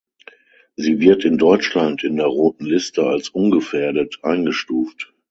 Sie wird in Deutschland in der Roten Liste als "ungefährdet" eingestuft.